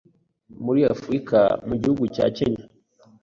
muri africa mu gihugu cya Kenya,